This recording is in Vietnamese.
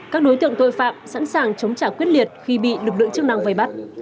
các đối tượng tội phạm sẵn sàng chống trả quyết liệt khi bị lực lượng chức năng vây bắt